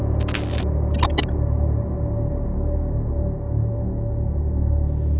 มค